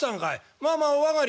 まあまあお上がり」。